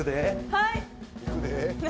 はい！